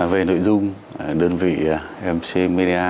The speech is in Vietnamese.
về nội dung đơn vị mc media